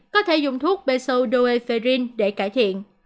có thể dùng thuốc besodoepherine để cải thiện